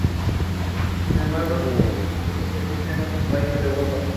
Sin embargo, el programa todavía se emite en otros países de Europa.